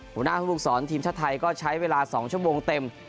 หัวหน้าภูมิสอนทีมชาติไทยก็ใช้เวลา๒ชั่วโมงเต็ม